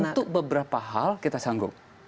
untuk beberapa hal kita sanggup